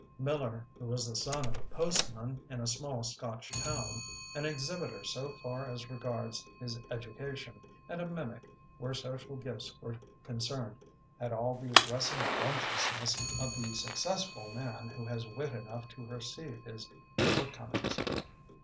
Miller, who was the son of a postman in a small Scotch town, an exhibitioner so far as regards his education, and a mimic where social gifts were concerned, had all the aggressive bumptiousness of the successful man who has wit enough to perceive his shortcomings.